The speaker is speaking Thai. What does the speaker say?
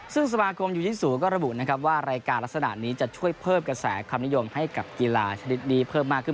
ซึ่งสมาคมยูยิซูก็ระบุนะครับว่ารายการลักษณะนี้จะช่วยเพิ่มกระแสความนิยมให้กับกีฬาชนิดนี้เพิ่มมากขึ้น